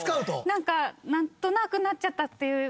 なんかなんとなくなっちゃったっていう。